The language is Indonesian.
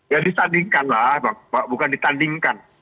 ya disandingkan lah bukan ditandingkan